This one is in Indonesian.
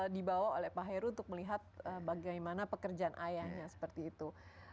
dibawa oleh pak heru untuk melihat bagaimana pekerjaan ayahnya seperti itu